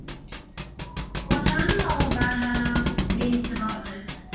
Watthana or Vadhana means development.